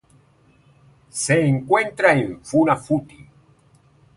Se encuentra en Funafuti.